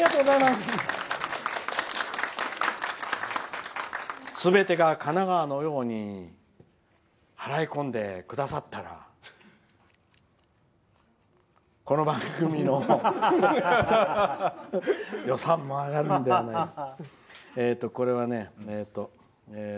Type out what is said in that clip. すべてが神奈川のように払い込んでくださったらこの番組の予算も上がるのではないか。